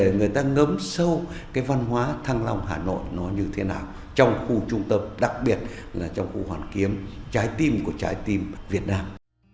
người ta ngấm sâu cái văn hóa thăng long hà nội nó như thế nào trong khu trung tâm đặc biệt là trong khu hoàn kiếm trái tim của trái tim việt nam